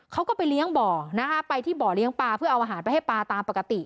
เขาก็ไปเลี้ยงบ่อนะคะไปที่บ่อเลี้ยงปลาเพื่อเอาอาหารไปให้ปลาตามปกติ